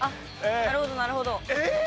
なるほどなるほど。えっ？